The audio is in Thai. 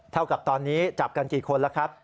เท่ากับตอนนี้จับกันกี่คนแล้วครับ